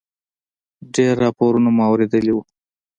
ډېر راپورونه مو اورېدلي و.